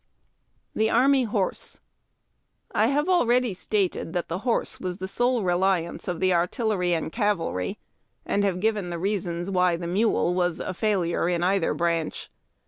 THE ARMY HORSE. I have already stated that the horse was the sole reliance of the artillery and cavalry, and have given the reasons why the mule was a failure in either branch.